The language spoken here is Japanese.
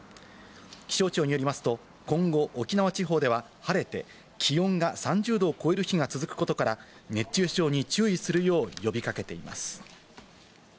気象庁によりますと、今後、沖縄地方では晴れて、気温が３０度を超える日が続くことから、熱中症に注意するよう呼び掛けています。